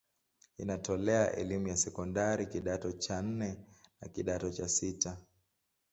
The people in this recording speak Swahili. Inatoa elimu ya sekondari kidato cha nne na kidato cha sita.